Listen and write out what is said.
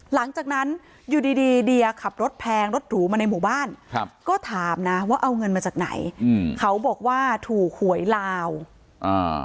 หลังจากนั้นอยู่ดีดีเดียขับรถแพงรถหรูมาในหมู่บ้านครับก็ถามนะว่าเอาเงินมาจากไหนอืมเขาบอกว่าถูกหวยลาวอ่า